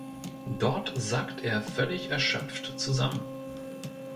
Dort sackt er völlig erschöpft zusammen.